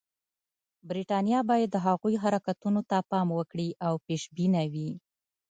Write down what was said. برټانیه باید د هغوی حرکتونو ته پام وکړي او پېشبینه وي.